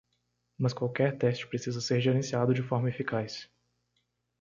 Mas qualquer teste precisa ser gerenciado de forma eficaz.